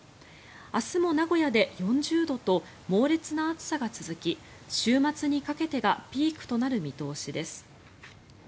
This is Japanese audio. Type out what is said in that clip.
明日も名古屋で４０度と猛烈な暑さが続き週末にかけてがピークとなる見通しです。